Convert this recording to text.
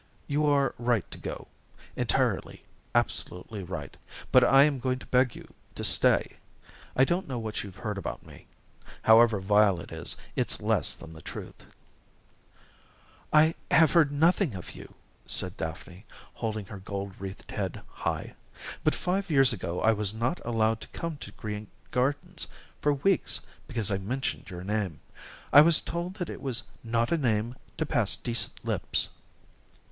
"You are right to go entirely, absolutely right but I am going to beg you to stay. I don't know what you've heard about me however vile it is, it's less than the truth " "I have heard nothing of you," said Daphne, holding her gold wreathed head high, "but five years ago I was not allowed to come to Green Gardens for weeks because I mentioned your name. I was told that it was not a name to pass decent lips."